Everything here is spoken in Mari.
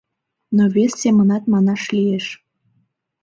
Но вес семынат манаш лиеш.